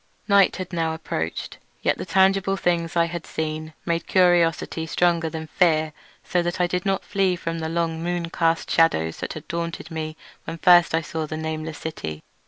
Night had now approached, yet the tangible things I had seen made curiosity stronger than fear, so that I did not flee from the long moon cast shadows that had daunted me when first I saw the nameless city.